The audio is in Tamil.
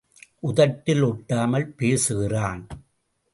உதட்டில் ஒட்டாமல் பேசுகிறான்.